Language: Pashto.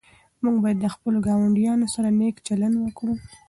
موږ باید له خپلو ګاونډیانو سره نېک چلند وکړو.